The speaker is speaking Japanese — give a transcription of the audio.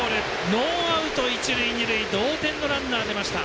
ノーアウト、一塁二塁同点のランナー出ました。